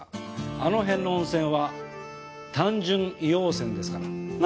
あのへんの温泉は単純硫黄泉ですからな？